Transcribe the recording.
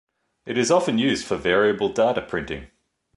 It is often used for Variable Data Printing.